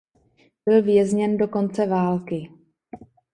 Byl vězněn do konce války.